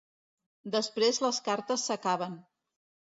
Després les cartes s'acaben.